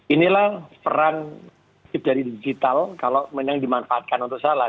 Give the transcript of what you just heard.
inilah peran dari digital kalau memang dimanfaatkan untuk salah